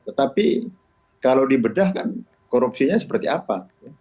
tetapi kalau dibedahkan korupsinya seperti apa